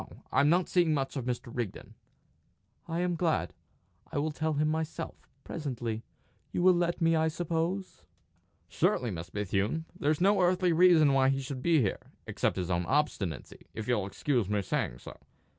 "No; I'm not seeing much of Mr. Rigden." "I am glad. I will tell him myself, presently. You will let me, I suppose?" "Surely, Miss Bethune. There's no earthly reason why he should be here, except his own obstinacy, if you'll excuse my saying so.